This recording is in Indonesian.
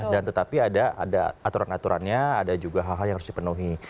dan tetapi ada aturan aturannya ada juga hal hal yang harus dipenuhi